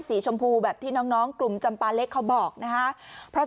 สีชมพูแบบที่น้องกลุ่มจำปาเล็กเขาบอกนะฮะเพราะ